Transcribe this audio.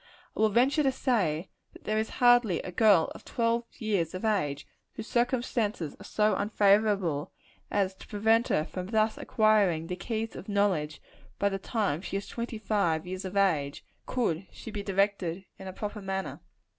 I will venture to say, that there is hardly a girl of twelve years of age, whose circumstances are so unfavorable, as to prevent her from thus acquiring the keys of knowledge by the time she is twenty five years of age, could she be directed in a proper manner.